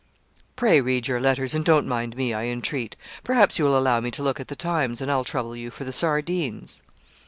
'Pray read your letters, and don't mind me, I entreat. Perhaps you will allow me to look at the "Times;" and I'll trouble you for the sardines.'